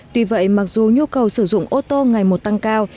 tuy vậy mặc dù nhu cầu sử dụng ô tô ngày một tăng cao